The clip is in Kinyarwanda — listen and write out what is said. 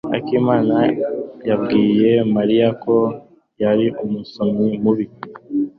Akimana yabwiye Mariya ko yari umusomyi mubi.